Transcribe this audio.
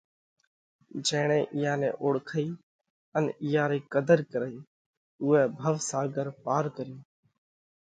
جيڻئہ اِيئا نئہ اوۯکئِي ان اِيئا رئِي قڌر ڪرئي اُوئہ ڀوَ ساڳر پار ڪريو